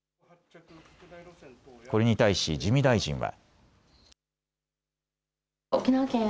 これに対し自見大臣は。